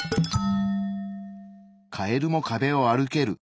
カエルも壁を歩ける。